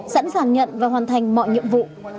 sẵn sàng nhận và hoàn thành mọi nhiệm vụ